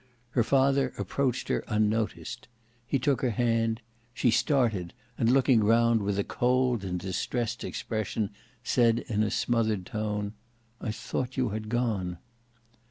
Her father approached her unnoticed; he took her hand; she started, and looking round with a cold and distressed expression, said, in a smothered tone, "I thought you had gone."